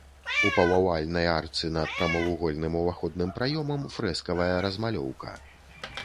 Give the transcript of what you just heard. У паўавальнай арцы над прамавугольным уваходным праёмам фрэскавая размалёўка.